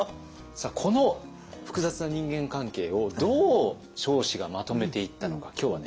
この複雑な人間関係をどう彰子がまとめていったのか今日はね